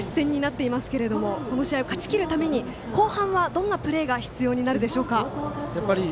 接戦になっていますがこの試合を勝ち切るために後半はどんなプレーが必要になりますか。